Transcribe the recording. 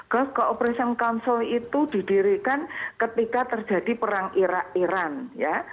gulf cooperation council itu didirikan ketika terjadi perang iran ya